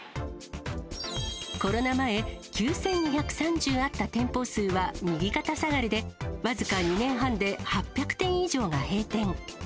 コロナ前、９２３０あった店舗数は右肩下がりで、僅か２年半で８００店以上が閉店。